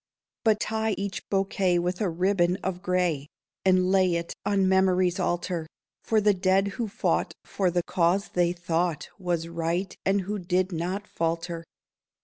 But tie each bouquet with a ribbon of gray And lay it on memory's altar, For the dead who fought for the cause they thought Was right, and who did not falter.